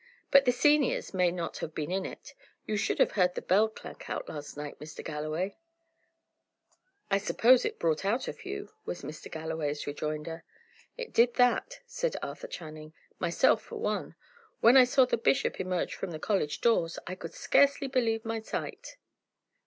But the seniors may not have been in it. You should have heard the bell clank out last night, Mr. Galloway!" "I suppose it brought out a few," was Mr. Galloway's rejoinder. "It did that," said Arthur Channing. "Myself for one. When I saw the bishop emerge from the college doors, I could scarcely believe my sight."